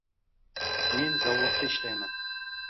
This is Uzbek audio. Men zavodda ishlayman.